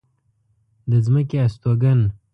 د ځمکې استوگن